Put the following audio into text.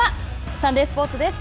サンデースポーツです。